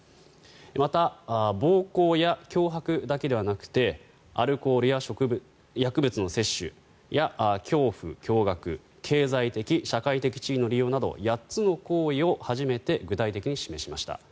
また、暴行や脅迫だけではなくてアルコールや薬物の摂取や恐怖・驚がく経済的・社会的地位の利用など８つの行為を初めて具体的に示しました。